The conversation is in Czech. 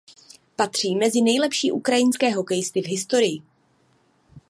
Patří mezi nejlepší ukrajinské hokejisty v historii.